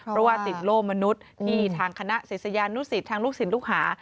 เพราะว่าติดโล่มนุษย์ที่ทางคณะศิษยานุสิตทางลูกศิลปลูกหา